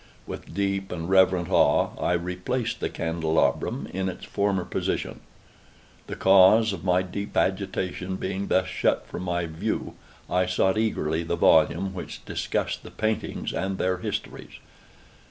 With deep and reverent awe I replaced the candelabrum in its former position. The cause of my deep agitation being thus shut from view, I sought eagerly the volume which discussed the paintings and their histories.